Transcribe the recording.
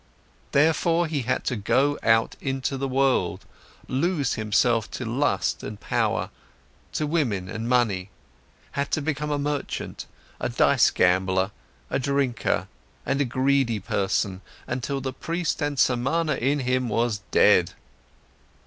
Therefore, he had to go out into the world, lose himself to lust and power, to woman and money, had to become a merchant, a dice gambler, a drinker, and a greedy person, until the priest and Samana in him was dead.